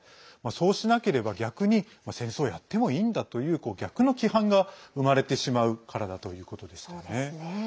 そうしなければ、逆に戦争をやってもいいんだという逆の規範が生まれてしまうからだということでした。